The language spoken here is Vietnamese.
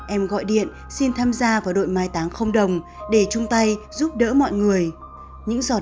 em gọi điện xin tham gia vào đội mai táng không đồng để chung tay giúp đỡ mọi người những giò